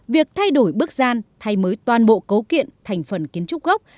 việc thay đổi bức gian thay mới toàn bộ cấu kiện thành phần kiến trúc gốc